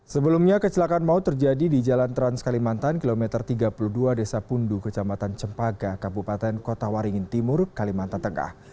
sebelumnya kecelakaan maut terjadi di jalan trans kalimantan kilometer tiga puluh dua desa pundu kecamatan cempaka kabupaten kota waringin timur kalimantan tengah